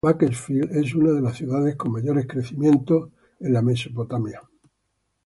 Bakersfield es una de las ciudades con mayor crecimiento en los Estados Unidos.